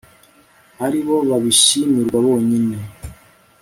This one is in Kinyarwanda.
ari bo babishimirwa bonyine